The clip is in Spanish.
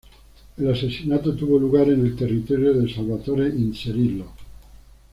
El asesinato tuvo lugar en el territorio de Salvatore Inzerillo.